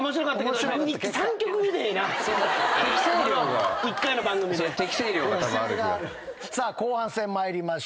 さあ後半戦参りましょう。